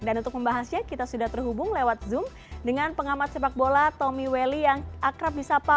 dan untuk membahasnya kita sudah terhubung lewat zoom dengan pengamat sepak bola tommy welly yang akrab di sapa